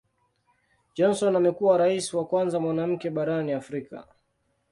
Johnson amekuwa Rais wa kwanza mwanamke barani Afrika.